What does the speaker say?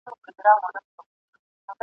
توتکۍ خبره راوړله پر شونډو !.